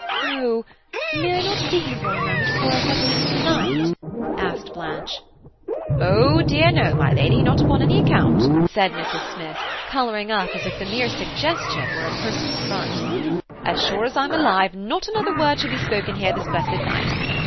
"Oh! may I not see him for a moment before I settle for the night?" asked Blanche. "Oh, dear no, my Lady, not upon no account," said Mrs. Smith, colouring up as if the mere suggestion were a personal affront. "As sure as I'm alive, not another word shall be spoken here this blessed night.